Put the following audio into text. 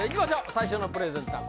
最初のプレゼンター